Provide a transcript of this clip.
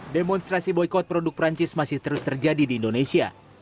demonstrasi boykot produk perancis masih terus terjadi di indonesia